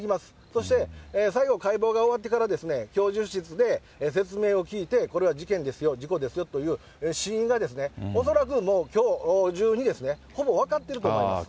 そして、最後、解剖が終わってから、教授室で説明を聞いて、これは事件ですよ、事故ですよという、死因が、恐らくもうきょう中にほぼ分かってると思います。